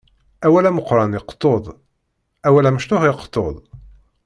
Awal ameqqran iqeṭṭu-d, awal amecṭuḥ iqeṭṭu-d.